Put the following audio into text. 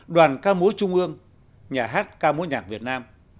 đoàn ca múa trung ương nhà hát ca mối nhạc việt nam